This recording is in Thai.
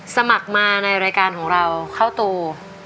สมัครมาในรายการของเราเข้าตู